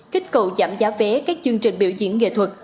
kích cầu giảm giá vé các chương trình biểu diễn nghệ thuật